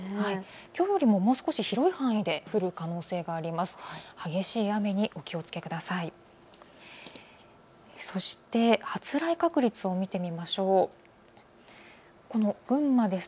きょうよりも、もう少し広い範囲で降る可能性があります。